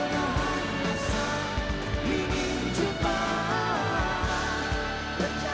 kau tuliskan padaku